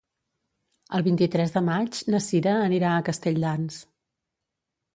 El vint-i-tres de maig na Cira anirà a Castelldans.